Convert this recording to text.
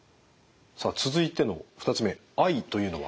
さあ続いての２つ目Ｉというのは？